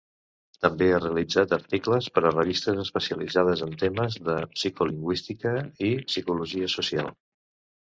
També ha realitzat articles per a revistes especialitzades en temes de psicolingüística i psicologia social.